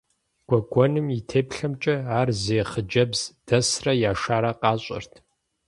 Гуэгуэным и теплъэмкӏэ, ар зейр хъыджэбз дэсрэ яшарэ къащӏэрт.